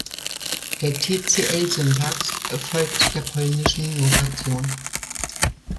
Die Tcl-Syntax folgt der polnischen Notation.